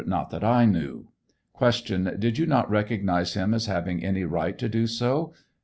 Not that I knew. Q. Did you not recognize him as having any right to do so?